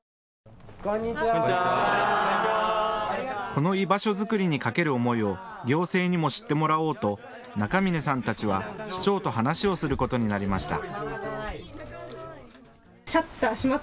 この居場所作りにかける思いを行政にも知ってもらおうと中峰さんたちは市長と話をすることになりました。